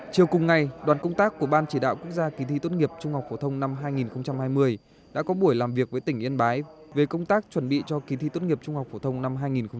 chiều cùng ngày đoàn công tác của ban chỉ đạo quốc gia kỳ thi tốt nghiệp trung học phổ thông năm hai nghìn hai mươi đã có buổi làm việc với tỉnh yên bái về công tác chuẩn bị cho kỳ thi tốt nghiệp trung học phổ thông năm hai nghìn hai mươi